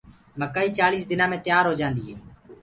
مڪآئي چآݪيس دنآ مي تيآر هوجآندي هي۔